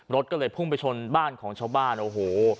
รถก็เลยพุ่งไปชนบ้านของชาวบ้านโอ้โห